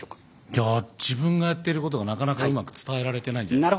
いや自分がやってることがなかなかうまく伝えられてないんじゃないですか。